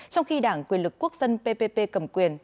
trong khi đảng quyền lực quốc dân ppp cầm quyền